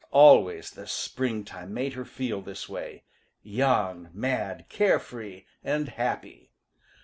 Always the springtime made her feel this way, young, mad, carefree, and happy.